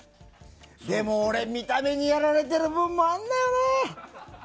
でも、俺見た目にやられてる部分もあるんだよな。